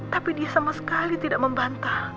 tapi dia sama sekali tidak membantah